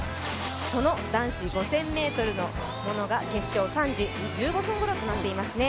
その男子５０００ｍの決勝が３時１５分ごろとなっていますね。